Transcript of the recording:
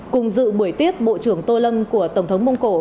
cùng dự buổi tiếp bộ trưởng tô lâm của tổng thống mông cổ